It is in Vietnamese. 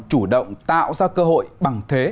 chủ động tạo ra cơ hội bằng thế